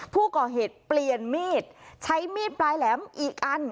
ผู้ก่อเหตุเปลี่ยนมีดใช้มีดปลายแหลมอีกอัน